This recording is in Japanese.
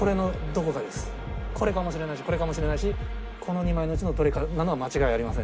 これかもしれないしこれかもしれないしこの２枚のうちのどれかなのは間違いありません